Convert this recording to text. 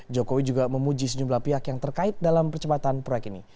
jokowi juga memuji sejumlah pihak yang terkait dalam percepatan proyek ini